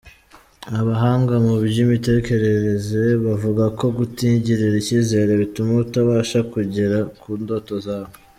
Abahanga mu by’imitekerereze bavuga ko kutigirira icyizere bituma utabasha kugera ku ndoto zawe.